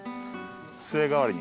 杖代わりに。